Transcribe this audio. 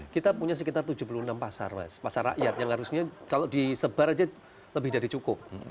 kita punya sekitar tujuh puluh enam pasar mas pasar rakyat yang harusnya kalau disebar aja lebih dari cukup